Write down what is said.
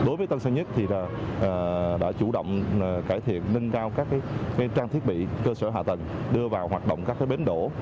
đối với tân sơn nhất thì đã chủ động cải thiện nâng cao các trang thiết bị cơ sở hạ tầng đưa vào hoạt động các bến đổ